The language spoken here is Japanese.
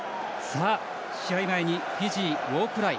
試合前にフィジー、ウォークライ。